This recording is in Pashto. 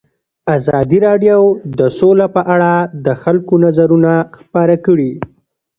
ازادي راډیو د سوله په اړه د خلکو نظرونه خپاره کړي.